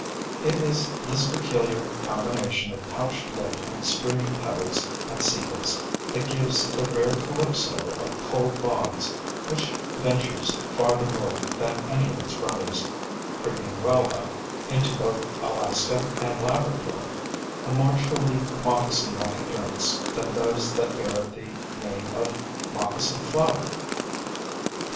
It is this peculiar combination of pouched lip and streaming petals and sepals that gives the rare Calypso of cold bogs, which ventures farther north than any of its brothers, creeping well up into both Alaska and Labrador, a more truly moccasin like appearance than those that bear the name of Moccasin Flower.